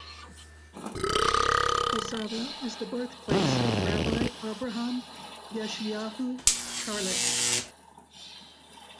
Kosava is the birthplace of Rabbi Avraham Yeshayahu Karelitz.